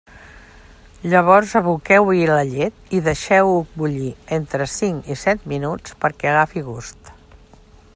Llavors aboqueu-hi la llet i deixeu-ho bullir entre cinc i set minuts perquè agafi gust.